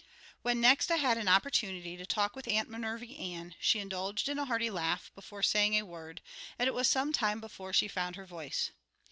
When next I had an opportunity to talk with Aunt Minervy Ann, she indulged in a hearty laugh before saying a word, and it was some time before she found her voice.